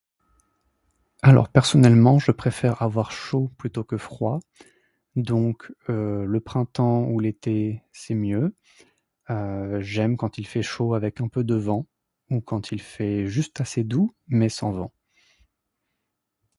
Alors personnellement je préfère avoir chaud plutôt que froid. Donc, euh, le printemps ou l’été c’est mieux. Euh, j’aime quand il fait chaud avec un peu de vent, quand il fait juste assez doux mais sans vent.